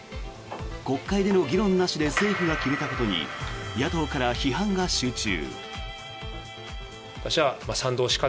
国会での議論なしで政府が決めたことに野党から批判が集中。